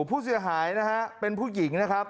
ผู้เสียหายนะฮะเป็นผู้หญิงนะครับ